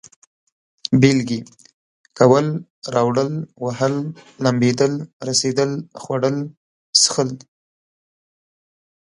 بېلگې: کول، راوړل، وهل، لمبېدل، رسېدل، خوړل، څښل